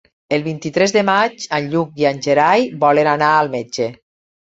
El vint-i-tres de maig en Lluc i en Gerai volen anar al metge.